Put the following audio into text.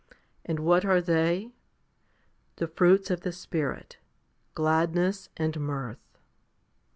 And what are they ? The fruits of the Spirit, gladness and mirth.